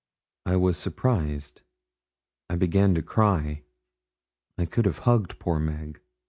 I was surprised. I began to cry. I could have hugged poor Meg.